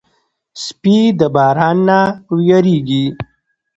سپي د باران نه وېرېږي.